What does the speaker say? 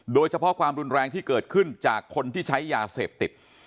โดยเฉพาะความรุนแรงที่เกิดขึ้นจากคนที่ใช้ยาเสพติด